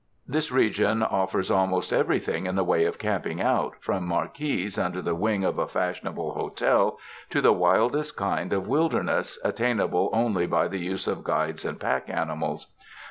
This region offers almost everything in the way of camping out, from marquees under the wing of a fashionable hotel to the wildest kind of wilderness, attainable only by the use of guides and pack animals.